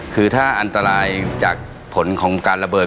คือถ้าอันตรายจากผลของการระเบิด